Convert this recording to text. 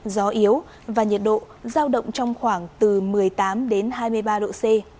gió yếu và nhiệt độ giao động trong khoảng từ một mươi tám đến hai mươi ba độ c